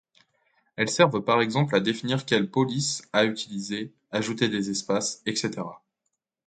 Elles servent par exemple à définir quelles polices à utiliser, ajouter des espaces, etc.